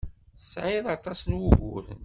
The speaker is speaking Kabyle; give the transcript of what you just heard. Tesɛiḍ aṭas n wuguren.